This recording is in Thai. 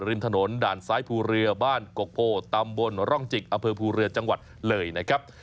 ริมถนนด่านซ้ายภูเรือบ้านโกโกตำบลร่องจิกอำเภอภูเรือจังหวัดเลยนะครับ